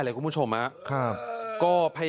ตาย